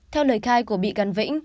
theo lời khai của cục trưởng phòng